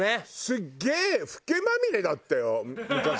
すっげえフケまみれだったよ昔。